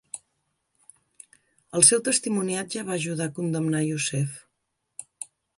El seu testimoniatge va ajudar a condemnar a Yousef.